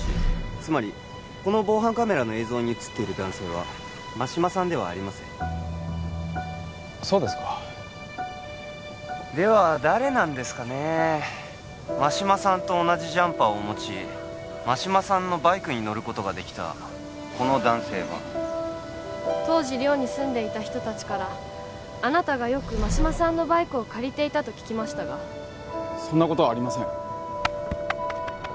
つまりこの防犯カメラの映像に写ってる男性は真島さんではありませんそうですかでは誰なんですかねー真島さんと同じジャンパーを持ち真島さんのバイクに乗ることができたこの男性は当時寮に住んでいた人達からあなたがよく真島さんのバイクを借りていたと聞きましたがそんなことはありません